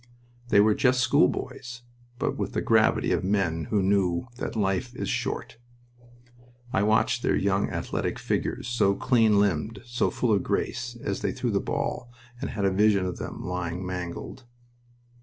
They were just schoolboys, but with the gravity of men who knew that life is short. I watched their young athletic figures, so clean limbed, so full of grace, as they threw the ball, and had a vision of them lying mangled.